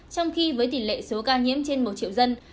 trong khi với tỷ lệ số ca nhiễm trên một triệu dân